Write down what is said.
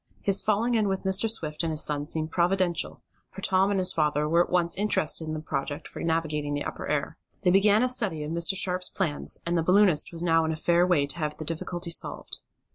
His falling in with Mr. Swift and his son seemed providential, for Tom and his father were at once interested in the project for navigating the upper air. They began a study of Mr. Sharp's plans, and the balloonist was now in a fair way to have the difficulty solved.